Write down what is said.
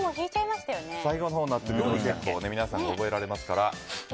最後のほうになると皆さん、覚えられますから。